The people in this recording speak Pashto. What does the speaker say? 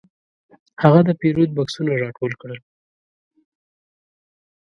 هغه د پیرود بکسونه راټول کړل.